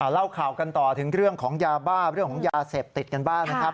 เล่าข่าวกันต่อถึงเรื่องของยาบ้าเรื่องของยาเสพติดกันบ้างนะครับ